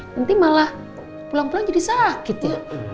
nanti malah pulang pulang jadi sakit ya